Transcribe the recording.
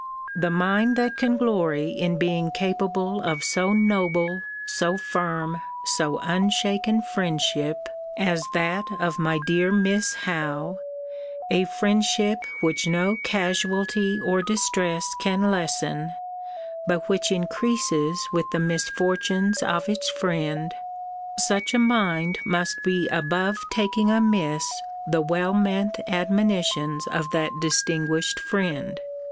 The mind that can glory in being capable of so noble, so firm, so unshaken friendship, as that of my dear Miss Howe; a friendship which no casualty or distress can lessen, but which increases with the misfortunes of its friend such a mind must be above taking amiss the well meant admonitions of that distinguished friend.